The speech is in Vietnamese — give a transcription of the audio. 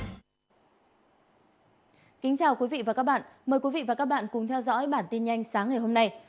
kính chào quý vị và các bạn mời quý vị và các bạn cùng theo dõi bản tin nhanh sáng ngày hôm nay